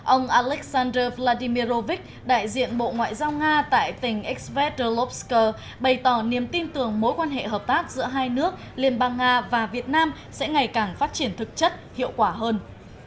ông alexander vladimirrovich đại diện bộ ngoại giao nga tại tỉnh ekaterlovsk bày tỏ niềm tin tưởng mối quan hệ hợp tác giữa hai nước liên bang nga và việt nam sẽ ngày càng phát triển thực chất hiệu quả hơn